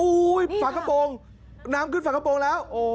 ฝากระโปรงน้ำขึ้นฝากระโปรงแล้ว